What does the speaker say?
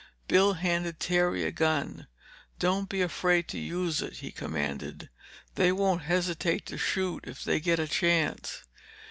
Bill handed Terry a gun. "Don't be afraid to use it," he commanded. "They won't hesitate to shoot if they get a chance."